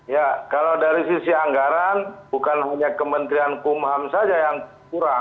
ya kalau dari sisi anggaran bukan hanya kementerian hukum dan ham saja yang kurang